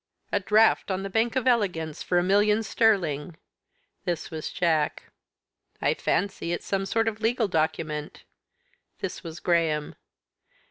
"A draft on the Bank of Elegance for a million sterling." This was Jack. "I fancy it is some sort of legal document." This was Graham.